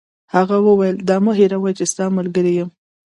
هغه وویل: دا مه هیروئ چي زه ستا ملګری یم.